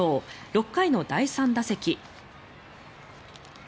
６回の第３打席。